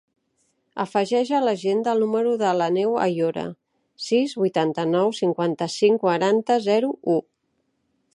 Afegeix a l'agenda el número de l'Aneu Ayora: sis, vuitanta-nou, cinquanta-cinc, quaranta, zero, u.